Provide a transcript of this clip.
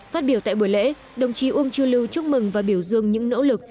phát biểu tại buổi lễ đồng chí uông chu lưu chúc mừng và biểu dương những nỗ lực